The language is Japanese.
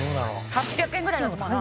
８００円ぐらいなのかな